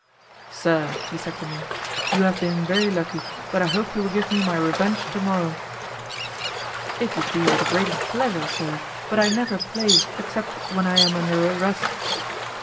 "Sir," he said to me, "you have been very lucky, but I hope you will give me my revenge to morrow." "It would be with the greatest pleasure, sir, but I never play except when I am under arrest."